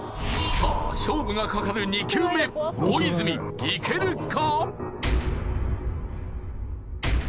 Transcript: さあ勝負がかかる２球目大泉いけるか？